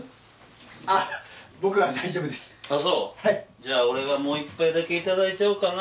じゃあ俺はもう１杯だけいただいちゃおうかな。